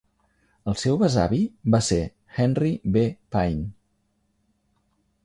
El seu besavi va ser Henry B. Payne.